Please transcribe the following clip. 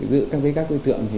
giữa các đối tượng